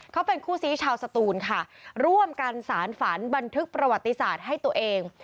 เขาเป็นคู่ซี้ชาวสตูนค่ะร่วมกันสารฝันบันทึกประวัติศาสตร์ให้ตัวเอง